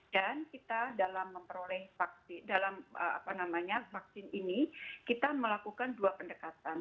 dan kita dalam memperoleh vaksin ini kita melakukan dua pendekatan